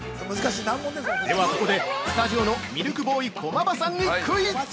では、ここでスタジオのミルクボーイ・駒場さんにクイズ。